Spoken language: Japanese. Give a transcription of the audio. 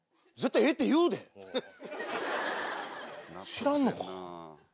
知らんのか。